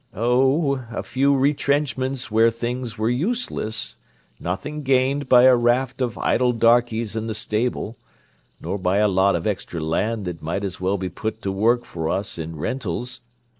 "Oh, a few retrenchments where things were useless; nothing gained by a raft of idle darkies in the stable—nor by a lot of extra land that might as well be put to work for us in rentals.